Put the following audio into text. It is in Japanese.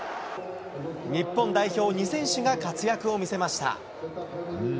日本代表２選手が活躍を見せました。